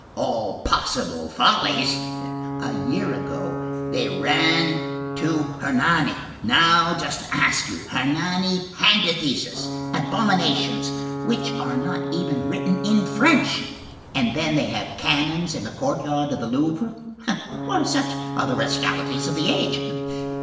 All possible follies. A year ago, they ran to Hernani. Now, I just ask you, Hernani! antitheses! abominations which are not even written in French! And then, they have cannons in the courtyard of the Louvre. Such are the rascalities of this age!"